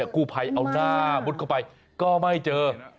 กู้ภัยเอาหน้ามุดเข้าไปก็ไม่เจอ